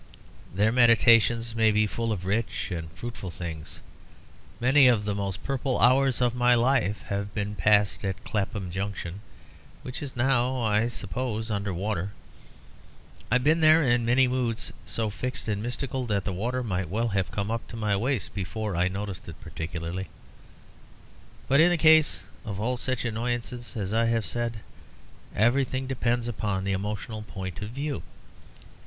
Their meditations may be full of rich and fruitful things. Many of the most purple hours of my life have been passed at Clapham Junction, which is now, I suppose, under water. I have been there in many moods so fixed and mystical that the water might well have come up to my waist before I noticed it particularly. But in the case of all such annoyances, as I have said, everything depends upon the emotional point of view.